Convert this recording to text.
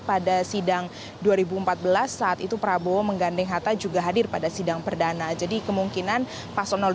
pada sidang dua ribu empat belas saat itu prabowo menggandeng hatta juga hadir pada sidang perdana jadi kemungkinan paslon dua